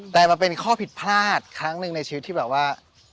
แต่มันเป็นข้อผิดพลาดครั้งหนึ่งในชีวิตที่แบบว่า